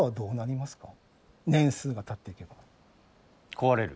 壊れる。